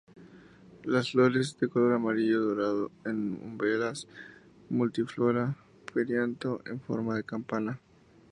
Las flores de color amarillo dorado en umbelas multiflora, perianto en forma de campana.